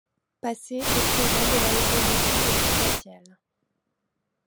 Passé et présent de l'aéronautique et du spatial.